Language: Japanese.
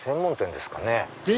ですかね？